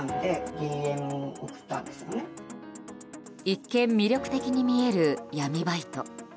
一見魅力的に見える闇バイト。